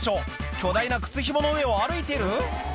巨大な靴ひもの上を歩いてる？